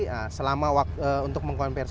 nah selama untuk mengkonversi